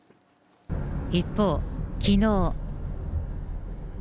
一方、きのう。